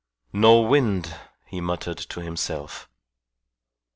"No wind!" he muttered to himself.